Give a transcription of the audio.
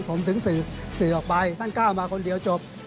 ผมถึงสื่อออกไปท่านก้าวมาคนเดียวจบ